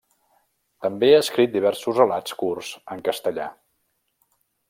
També ha escrit diversos relats curts en castellà.